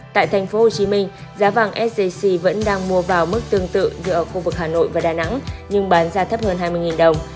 tại thành phố hồ chí minh giá vàng sjc vẫn đang mua vào mức tương tự giữa khu vực hà nội và đà nẵng nhưng bán ra thấp hơn hai mươi đồng